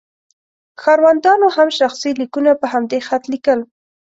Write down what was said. ښاروندانو هم شخصي لیکونه په همدې خط لیکل.